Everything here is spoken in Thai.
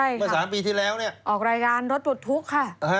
เมื่อสามปีที่แล้วเนี่ยออกรายงานรถบุตรทุกค่ะ